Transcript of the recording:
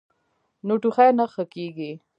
نو ټوخی نۀ ښۀ کيږي -